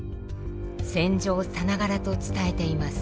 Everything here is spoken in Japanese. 戦場さながらと伝えています。